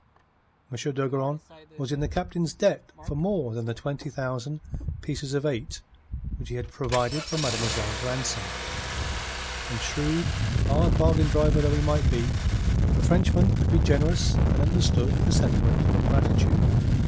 M. d'Ogeron was in the Captain's debt for more than the twenty thousand pieces of eight which he had provided for mademoiselle's ransom; and shrewd, hard bargain driver though he might be, the Frenchman could be generous and understood the sentiment of gratitude.